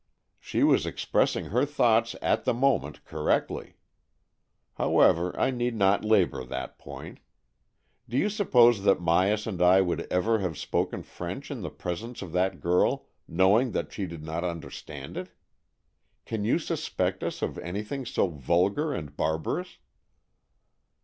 She was expressing her thoughts at the moment correctly. However, I need not labour that point. Do you suppose that Myas and I would ever have spoken French in the presence of that girl, knowing that she did not understand it? Can you suspect us of anything so vulgar and barbarous?"